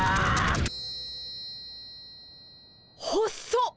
ほっそっ！